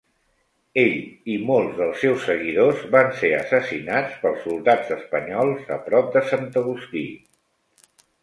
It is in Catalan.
Ell i molts dels seus seguidors van ser assassinats pels soldats espanyols a prop de Sant Agustí.